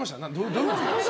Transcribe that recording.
どういうことですか。